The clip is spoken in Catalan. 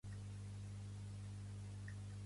Consta de tres crugies perpendiculars a façana.